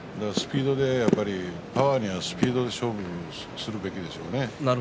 パワーにはスピードで勝負するべきでしょうね。